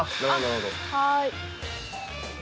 はい。